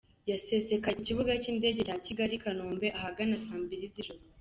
Yasesekaye ku Kibuga cy’Indege cya Kigali i Kanombe ahagana saa mbili z’ijoro.